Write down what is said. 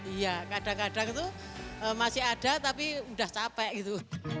iya kadang kadang itu masih ada tapi udah capek gitu